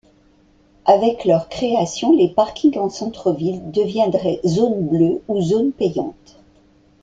Avec leur création, les parkings en centre-ville deviendraient zone bleue ou zone payante.